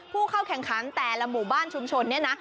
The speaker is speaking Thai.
ผู้เข้าแข่งขันแต่ละหมู่บ้านชุมชนเนี่ยนะ